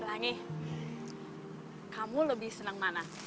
pelangi kamu lebih seneng mana